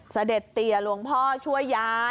เสด็จเตียหลวงพ่อช่วยย้าย